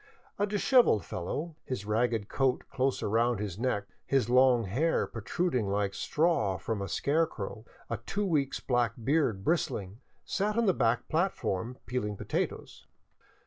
A dishevelled fellow, his ragged coat close up around his neck, his long hair protruding like straw from a scarecrow, a two weeks' black beard bristling, sat on the back plat form, peeling potatoes.